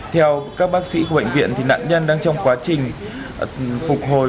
theo các bác sĩ của bệnh viện nạn nhân đang trong quá trình phục hồi